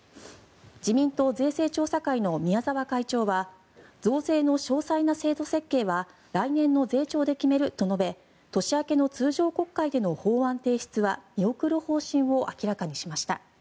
自民党税制調査会の宮沢会長は増税の詳細な制度設計は来年の税調で決めると述べ年明けの通常国会での法案提出は見送る方針を明らかにしました。